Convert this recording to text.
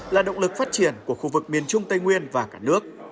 là động lực phát triển của khu vực miền trung tây nguyên và cả nước